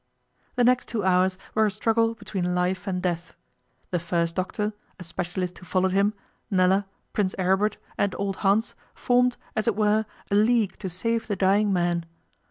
The next two hours were a struggle between life and death. The first doctor, a specialist who followed him, Nella, Prince Aribert, and old Hans formed, as it were, a league to save the dying man.